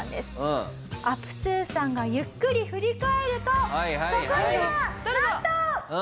アプスーさんがゆっくり振り返るとそこにはなんと！